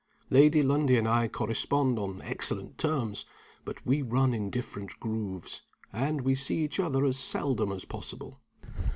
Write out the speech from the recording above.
Lady Lundie and I correspond on excellent terms; but we run in different grooves, and we see each other as seldom as possible.